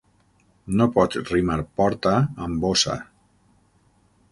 No pots rimar "porta" amb "bossa".